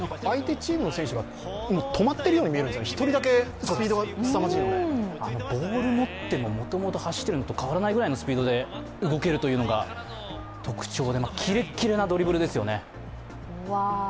相手チームの選手が止まっているように見えるんですよね、１人だけスピードがすさまじいのでボール持ってももともと走っているのと変わらないぐらいのスピードで動けるというのが特徴で、キレッキレなドリブルですよね。